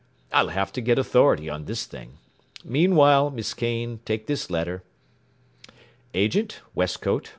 I'll have to get authority on this thing. Meanwhile, Miss Kane, take this letter: Agent, Westcote, N.